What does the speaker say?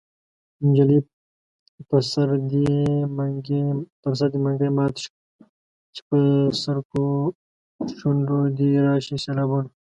نجلۍ په سر دې منګی مات شه چې په سرکو شونډو دې راشي سېلابونه